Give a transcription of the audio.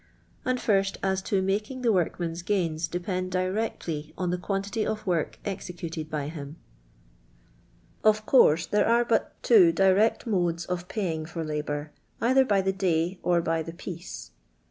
And first, as to making the troTATMaa's jaiiu dtpfifi directly oih iht ^atan tUy of Kork ejuculeil by kin. Of course there are but two direct modes of pay ing for labour — either by the day or by the piece.